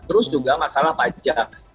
terus juga masalah pajak